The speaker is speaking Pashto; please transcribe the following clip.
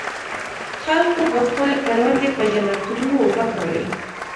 خلکو به خپلې کروندې په جنراټورونو اوبه کولې.